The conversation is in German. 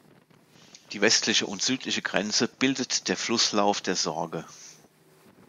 Die westliche und südliche Grenze bildet der Flusslauf der Sorge.